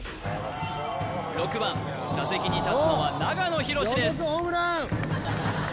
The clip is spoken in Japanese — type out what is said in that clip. ６番打席に立つのは長野博です